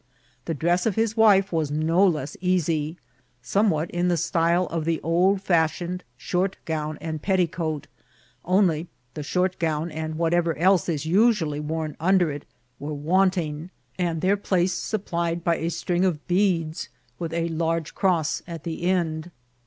The dress of his wife was no less easy ; somewhat in the style of the oldfashioned short* gown and petticoat, only the shortgown and whatever eke is usually worn under it were wanting, and their place supplied by a string of beads, with a large cross at the end.